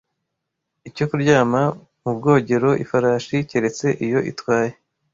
icyo kuryama mu bwogero Ifarashi - keretse iyo itwaye